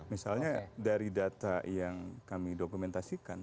misalnya dari data yang kami dokumentasikan